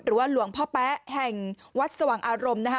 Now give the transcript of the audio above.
หลวงพ่อแป๊ะแห่งวัดสว่างอารมณ์นะคะ